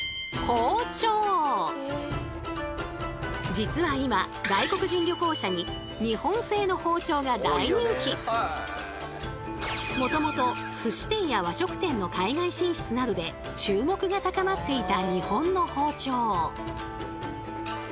実は今もともとすし店や和食店の海外進出などで注目が高まっていた日本の包丁。